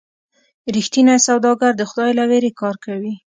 رښتینی سوداګر د خدای له ویرې کار کوي.